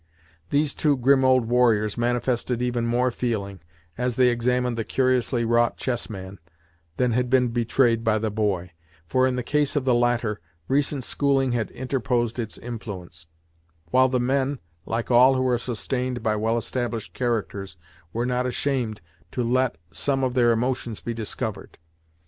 These two grim old warriors manifested even more feeling, as they examined the curiously wrought chessman, than had been betrayed by the boy; for, in the case of the latter, recent schooling had interposed its influence; while the men, like all who are sustained by well established characters, were not ashamed to let some of their emotions be discovered.